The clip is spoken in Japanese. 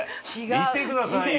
見てくださいよ！